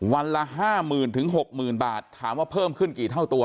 วันละ๕๐๐๐๖๐๐๐บาทถามว่าเพิ่มขึ้นกี่เท่าตัว